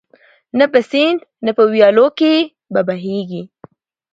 نه په سیند نه په ویالو کي به بهیږي